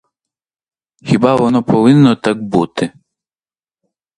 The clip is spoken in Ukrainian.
Хіба воно повинно так бути?